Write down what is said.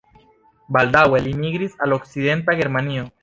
Baldaŭe li migris al Okcidenta Germanio.